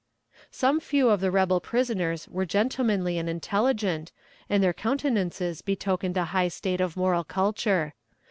Some few of the rebel prisoners were gentlemanly and intelligent, and their countenances betokened a high state of moral culture.